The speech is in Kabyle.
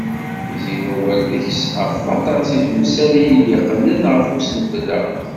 Yezzi wawal deg-s ɣef waṭas n temsal i d-yeqqnen ɣef usentel-a.